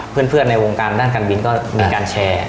เพื่อนในวงการด้านการบินก็มีการแชร์